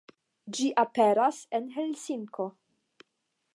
Ĝi aperas en Helsinko.